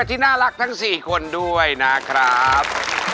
ที่น่ารักทั้ง๔คนด้วยนะครับ